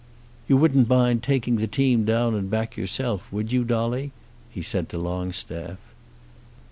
"You wouldn't mind taking the team down and back yourself; would you, Dolly?" he said to Longstaff.